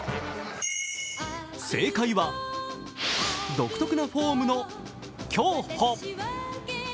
正解は独特なフォームの競歩。